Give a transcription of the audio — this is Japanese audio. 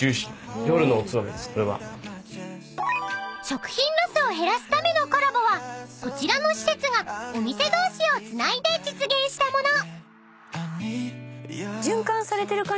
［食品ロスを減らすためのコラボはこちらの施設がお店同士をつないで実現したもの］